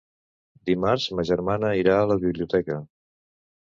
Dimarts ma germana irà a la biblioteca.